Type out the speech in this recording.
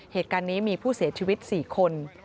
เหตุการณ์นี้มีผู้เสียชีวิต๔คน